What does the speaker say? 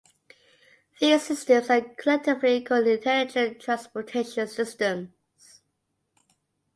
These systems are collectively called intelligent transportation systems.